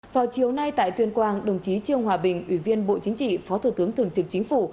vào chiều nay tại tuyên quang đồng chí trương hòa bình ủy viên bộ chính trị phó thủ tướng thường trực chính phủ